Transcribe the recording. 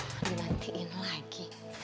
wah dimantiin lagi